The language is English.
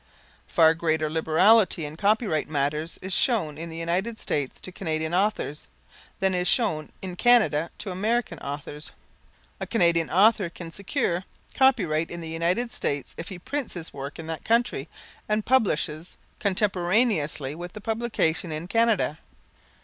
Far greater liberality in copyright matters is shown in the United States to Canadian authors, than is shown in Canada to American authors. A Canadian author can secure copyright in the United States if he prints his work in that country, and publishes contemporaneously with the publication in Canada.